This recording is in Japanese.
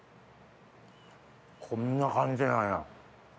こんな感じなんや。